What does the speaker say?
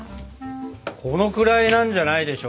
このくらいなんじゃないでしょうか？